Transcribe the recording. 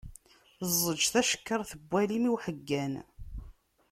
Ẓẓeǧǧ tacekkart n walim i uḥeggan.